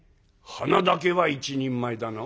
「鼻だけは一人前だな」。